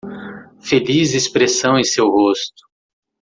Feliz expressão em seu rosto